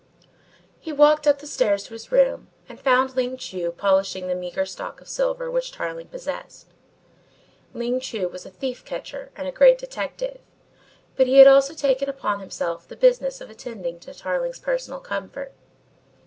He walked up the stairs to his room and found Ling Chu polishing the meagre stock of silver which Tarling possessed. Ling Chu was a thief catcher and a great detective, but he had also taken upon himself the business of attending to Tarling's personal comfort.